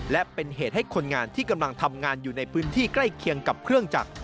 และเป็นเหตุให้คนงานที่กำลังทำงานอยู่ในพื้นที่ใกล้เคียงกับเครื่องจักร